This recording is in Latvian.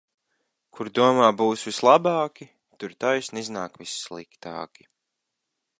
Kur domā būs vislabāki, tur taisni iznāk vissliktāki.